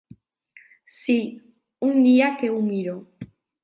Sí, un dia que ho miro.